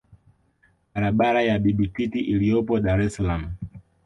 Barabara ya Bibi Titi iliyopo Dar es salaam